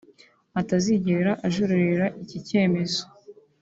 atazigera ajuririra iki cyemezo